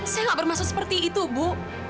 saya nggak bermaksud seperti itu bu